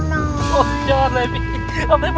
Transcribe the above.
ยอดมากเลยนะเค้าครับ